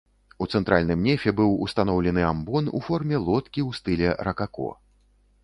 У цэнтральным нефе быў устаноўлены амбон у форме лодкі ў стылі ракако.